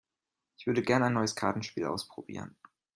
Ich würde gerne ein neues Kartenspiel ausprobieren.